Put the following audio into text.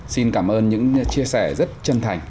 xin cảm ơn những chia sẻ rất chân thành